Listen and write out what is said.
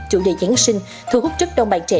chủ đề giáng sinh thu hút rất đông bạn trẻ